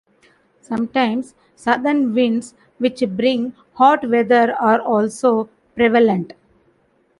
Sometimes southern winds which bring hot weather are also prevalent.